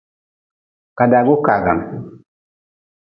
Kadagu kaagan.